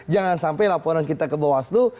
jangan sampai laporan kita ke bawaslu